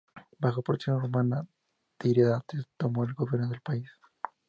Bajo protección romana, Tiridates tomó el gobierno del país.